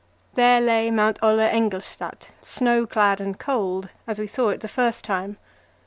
There lay Mount Ole Engelstad, snowclad and cold, as we saw it the first time.